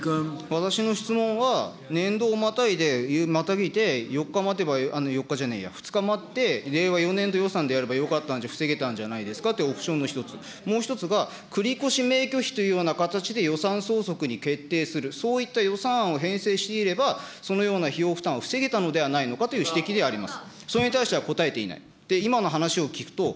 私の質問は年度をまたいで、４日までは、４日じゃねぇや、２日待って、令和４年度予算でやればよかったんで、防げたんじゃないですかと、オプションの１つ、もう１つが、繰り越しという形で予算案をさら問いを編成していれば、そのような費用負担を防げたのではないかという指摘であります。